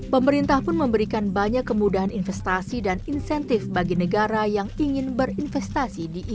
pemerintah pun memberikan banyak kemudahan investasi dan insentif bagi negara yang ingin berinvestasi di indonesia